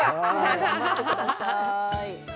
頑張ってください。